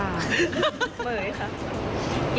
เหมยค่ะ